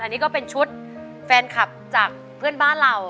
อันนี้ก็เป็นชุดแฟนคลับจากเพื่อนบ้านเรา